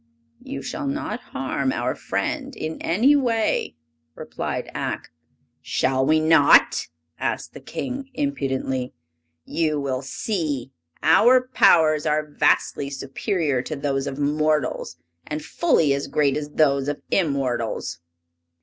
"You shall not harm our friend in any way!" replied Ak. "Shall we not?" asked the King, impudently. "You will see! Our powers are vastly superior to those of mortals, and fully as great as those of immortals."